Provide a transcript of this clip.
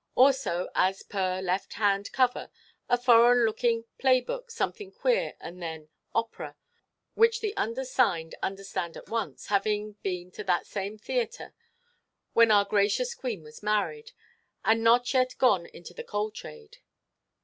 Also as per left–hand cover a foreign–looking play–book, something queer and then 'Opera,' which the undersigned understand at once, having been to that same theayter when our gracious Queen was married, and not yet gone into the coal–trade.